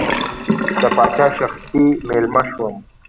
د پاچا شخصي مېلمه شوم.